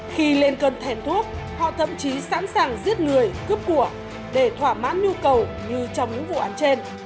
khi lên cơn thèn thuốc họ thậm chí sẵn sàng giết người cướp của để thỏa mãn nhu cầu như trong những vụ án trên